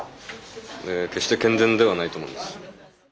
決して健全ではないと思うんです。